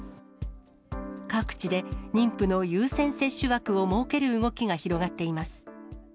各地で妊婦の優先接種枠を設ける動きが広がっています。